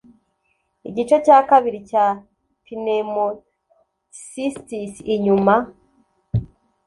igice cya kabiri cya pneumocystis inyuma